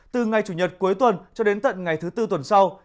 từ ngày chủ nhật cuối tuần cho đến tận ngày thứ tư tuần sau